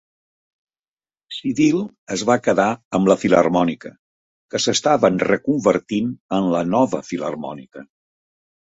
Civil es va quedar amb la Filharmònica, que s'estaven reconvertint en la Nova Filharmònica.